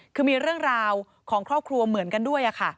คือมีเรื่องราวของครอบครัวเหมือนกันด้วยค่ะ